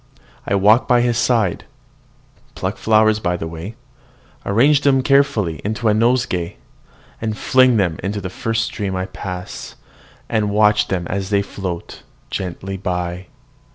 I walk by his side, pluck flowers by the way, arrange them carefully into a nosegay, then fling them into the first stream I pass, and watch them as they float gently away.